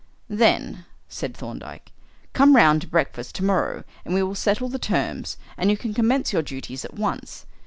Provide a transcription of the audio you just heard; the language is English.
"Then," said Thorndyke, "come round to breakfast to morrow and we will settle the terms, and you can commence your duties at once.